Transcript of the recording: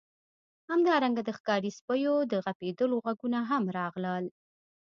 همدارنګه د ښکاري سپیو د غپیدلو غږونه هم راغلل